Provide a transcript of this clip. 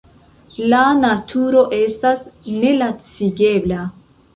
La naturo estas nelacigebla.